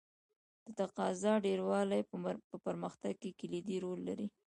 د تقاضا ډېروالی په پرمختګ کې کلیدي رول لري.